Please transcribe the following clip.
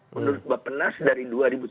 menurut mbak penas dari dua ribu tiga puluh enam